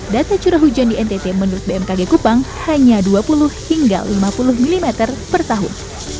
data curah hujan di ntt menurut bmkg kupang hanya dua puluh hingga lima puluh mm per tahun